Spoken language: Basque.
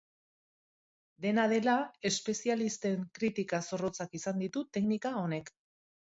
Dena dela, espezialisten kritika zorrotzak izan ditu teknika honek.